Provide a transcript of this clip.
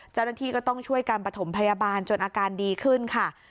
เจ้าหน้าที่ก็ต้องช่วยการประถมพยาบาลจนอาการดีขึ้นค่ะ